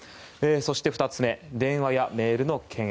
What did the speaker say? そして２つ目電話やメールの検閲。